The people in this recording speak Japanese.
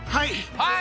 はい。